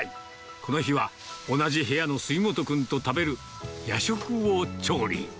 この日は、同じ部屋の杉本君と食べる夜食を調理。